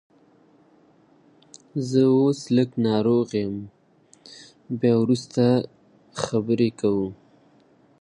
لښتې د مېږې په بدن نرمه مالش پیل کړ.